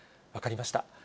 分かりました。